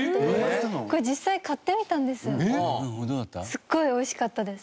すっごい美味しかったです。